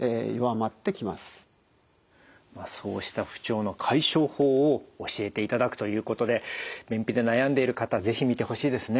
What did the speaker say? まあそうした不調の解消法を教えていただくということで便秘で悩んでいる方是非見てほしいですね。